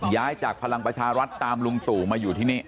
จากพลังประชารัฐตามลุงตู่มาอยู่ที่นี่